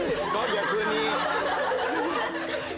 逆に。